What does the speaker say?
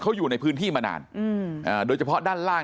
เขาอยู่ในพื้นที่มานานโดยเฉพาะด้านล่าง